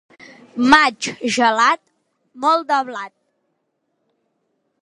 Maig gelat, molt de blat.